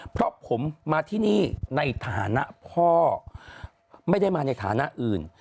เพราะผมมาที่นี่ในฐานะพ่อไม่ได้มาในฐานะอื่น